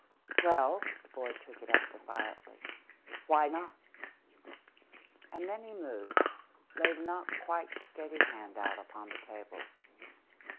"Well," the boy took it up defiantly, "why not?" And then he moved, laid a not quite steady hand out upon the table.